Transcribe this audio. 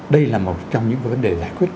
đây là một trong những vấn đề giải quyết